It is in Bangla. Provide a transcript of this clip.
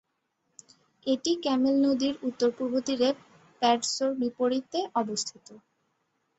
এটি ক্যামেল নদীর উত্তর-পূর্ব তীরে প্যাডসোর বিপরীতে অবস্থিত।